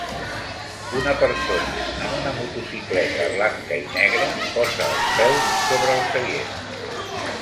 Una persona en una motocicleta blanca i negra posa els peus sobre el seient.